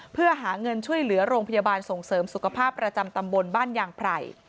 เพื่อหาเงินช่วยเหลือโรงพยาบาลส่งเสริมสุขภาพประจำตำบลบ้านยางไพร